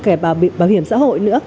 kể bảo hiểm xã hội nữa